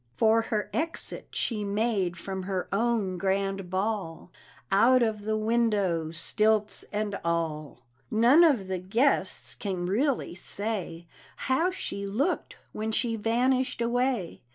For her exit she made from her own grand ball Out of the window, stilts and all. None of the guests can really say How she looked when she vanished away.